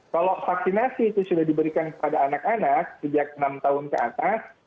kalau vaksinasi itu sudah diberikan kepada anak anak sejak enam tahun ke atas